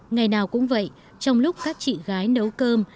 ngày nào cũng vậy trong lúc các chị gái nấu cơm